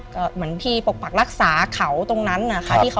ก็เหมือนที่ปกปักรักษาเขาตรงนั้นนะคะ